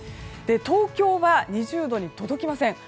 東京は２０度に届きません。